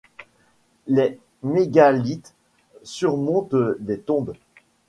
Les mégalithes surmontent des tombes.